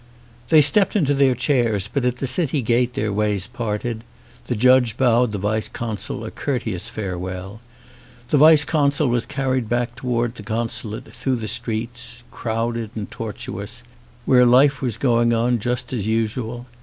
They stepped into their chairs ; but at the city gate their ways parted ; the judge bowed the vice consul a courteous farewell. The vice consul was carried back towards the consulate through the streets, crowded and tortuous, where life was going on just as usual.